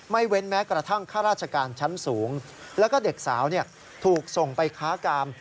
เว้นแม้กระทั่งข้าราชการชั้นสูงแล้วก็เด็กสาวถูกส่งไปค้ากาม